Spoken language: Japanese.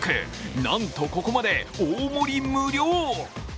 なんと、ここまで大盛り無料。